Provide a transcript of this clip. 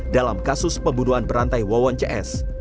dalam kasus pembunuhan berantai wawon cs